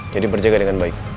jadi berjaga dengan baik